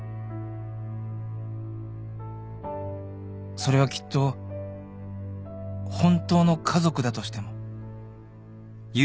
それはきっと本当の家族だとしても